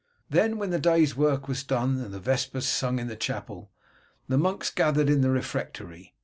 Then when the day's work was done, and vespers sung in the chapel, the monks gathered in the refectory.